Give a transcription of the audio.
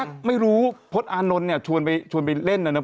วิธีนโอไม่รู้พลอดินอานนท์ชวนไปเล่น